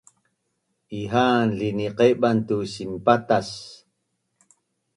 Iha’an liniqeban tu sinpatac